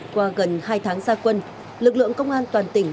qua gần hai tháng gia quân lực lượng công an toàn tỉnh